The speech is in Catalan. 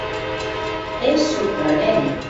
És sorprenent.